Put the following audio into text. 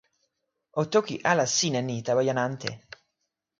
o toki ala sin e ni tawa jan ante.